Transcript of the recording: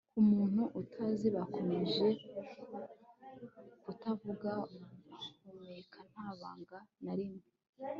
ku muntu utazi, bakomeje kutavuga, bahumeka nta banga na rimwe